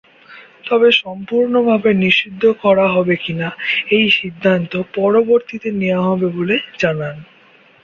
তবে সম্পুর্ণভাবে নিষিদ্ধ করা হবে কিনা, এই সিদ্ধান্ত পরবর্তীতে নেওয়া হবে বলে জানান।